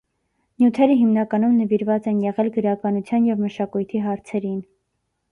Նյութերը հիմնականում նվիրված են եղել գրականության և մշակույթի հարցերին։